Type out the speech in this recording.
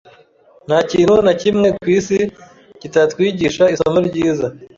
Ntakintu nakimwe kwisi kitatwigisha isomo ryiza.